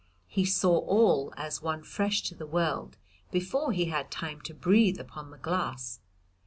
He saw all, as one fresh to the world, before he had time to breathe upon the glass.